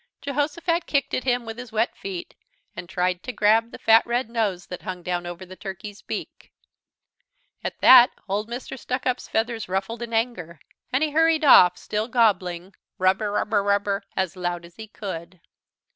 Jehosophat kicked at him with his wet feet, and tried to grab the fat red nose that hung down over the turkey's beak. At that old Mr. Stuckup's feathers ruffled in anger, and he hurried off, still gobbling "rubber, rubber, rubber," as loud as he could.